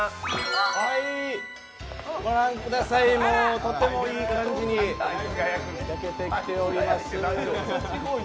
ご覧ください、もうとてもいい感じに焼けてきております。